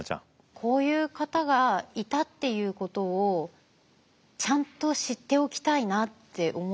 こういう方がいたっていうことをちゃんと知っておきたいなって思いました。